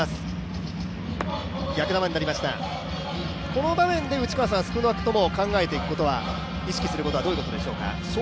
この場面で少なくとも考えていくこと意識することはどういうことでしょうか。